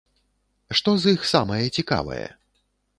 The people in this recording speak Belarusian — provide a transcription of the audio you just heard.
Што з іх самае цікавае?